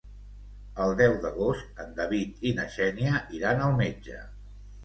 El deu d'agost en David i na Xènia iran al metge.